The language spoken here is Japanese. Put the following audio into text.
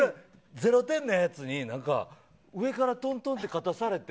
０点のやつに上から、とんとんって肩されて。